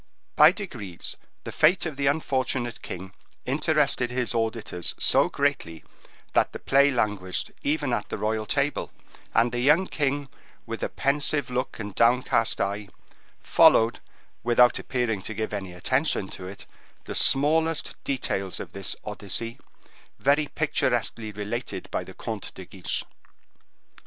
By degrees, the fate of the unfortunate king interested his auditors so greatly, that the play languished even at the royal table, and the young king, with a pensive look and downcast eye, followed, without appearing to give any attention to it, the smallest details of this Odyssey, very picturesquely related by the Comte de Guiche.